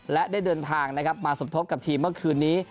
และได้เดินทางนะครับมาสมทบกับทีมเมื่อคืนนี้